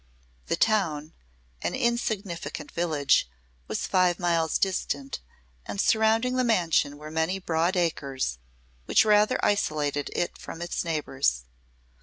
The town, an insignificant village, was five miles distant, and surrounding the mansion were many broad acres which rather isolated it from its neighbors.